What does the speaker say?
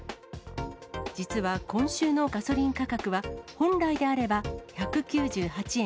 実は今週のガソリン価格は、本来であれば１９８円２０銭。